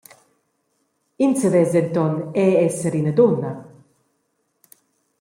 In savess denton era esser ina dunna.